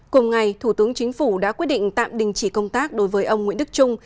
cùng ngày thủ tướng chính phủ đã quyết định tạm đình chỉ công tác đối với ông nguyễn đức trung